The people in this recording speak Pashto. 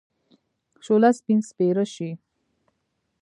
شوله! سپين سپيره شې.